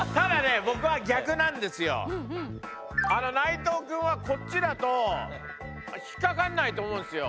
ただね内藤くんはこっちだと引っ掛かんないと思うんすよ。